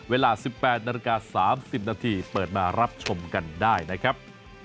เวลา๑๘นาฬิกา๓๐นาทีเปิดมารับชมกันได้นะครับ